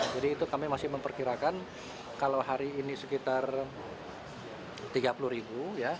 jadi itu kami masih memperkirakan kalau hari ini sekitar tiga puluh ribu